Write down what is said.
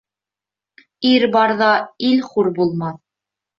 Ир барҙа ил хур булмаҫ.